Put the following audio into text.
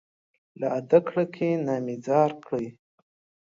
له ادکړکۍ نه مي ځار کړى